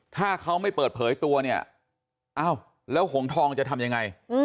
ถ้าเขาไม่เปิดเผยตัวเนี่ยอ้าวแล้วหงทองจะทำยังไง